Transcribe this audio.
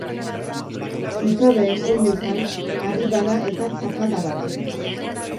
Zutabeen oinetan, harri bana eta zapata bana.